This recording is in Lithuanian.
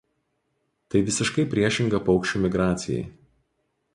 Tai visiškai priešinga paukščių migracijai.